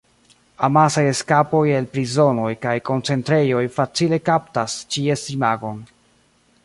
Amasaj eskapoj el prizonoj kaj koncentrejoj facile kaptas ĉies imagon.